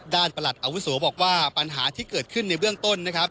ด้านประหลัดอาวุศูบอกว่าปัญหาที่เกิดขึ้นในเบื้องต้น